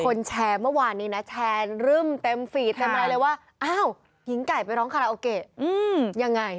แชร์เมื่อวานนี้นะแชร์รึ่มเต็มฟีดเต็มอะไรเลยว่าอ้าวหญิงไก่ไปร้องคาราโอเกะยังไง